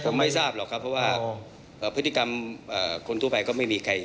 ผมไม่ทราบหรอกครับเพราะว่าเอ้อเอ่อพฤติกรรมเอ่อคนทั่วไปก็ไม่มีใคร